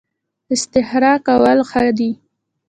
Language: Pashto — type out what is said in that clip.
استخاره کول ښه دي